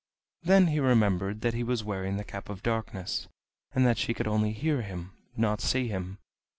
Then he remembered that he was wearing the Cap of Darkness, and that she could only hear him, not see him.